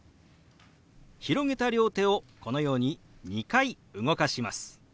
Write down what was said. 広げた両手をこのように２回動かします。